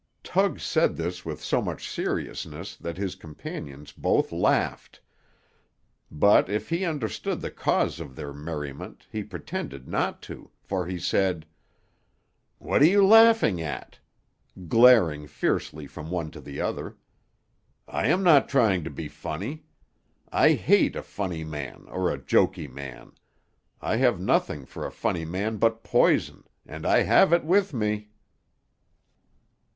Tug said this with so much seriousness that his companions both laughed; but if he understood the cause of their merriment, he pretended not to, for he said, "What are you laughing at?" glaring fiercely from one to the other. "I am not trying to be funny. I hate a funny man, or a joky man. I have nothing for a funny man but poison, and I have it with me."